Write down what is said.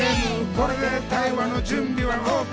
「これで対話のじゅんびはＯＫ」